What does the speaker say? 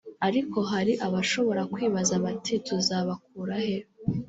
ariko hari abashobora kwibaza bati tuzabakurahe